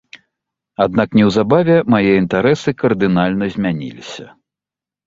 Аднак неўзабаве мае інтарэсы кардынальна змяніліся.